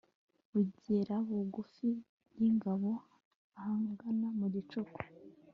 bagera bugufi y'ingando ahagana mu gicuku